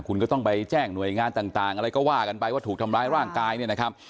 คุณก็ต้องไปแจ้งหน่วยงานต่างอะไรก็ว่ากันไปว่าถูกทำร้ายร่างกายเนี่ยนะครับ